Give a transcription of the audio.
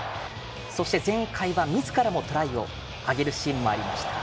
そして、前回はみずからもトライをあげるシーンもありました。